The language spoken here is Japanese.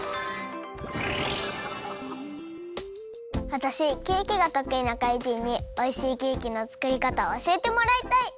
わたしケーキがとくいな怪人においしいケーキのつくりかたをおしえてもらいたい！